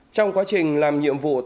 trong quá trình làm nhiệm vụ tại xã dinh